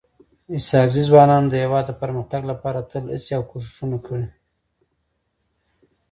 اسحق زي ځوانانو د هيواد د پرمختګ لپاره تل هڅي او کوښښونه کړي.